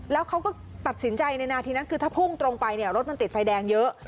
แล้วเขาก็ตัดสินใจในนาทีนั้นคือถ้าพุ่งตรงไปเนี่ยรถมันติดไฟแดงเยอะ